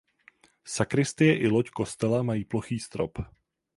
Sakristie i loď kostela mají plochý strop.